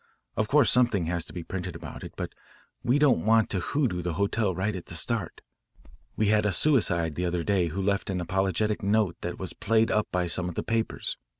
Of course something has to be printed about it. But we don't want to hoodoo the hotel right at the start. We had a suicide the other day who left an apologetic note that was played up by some of the papers.